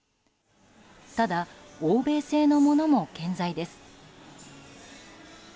ただ、欧米製のものも健在です。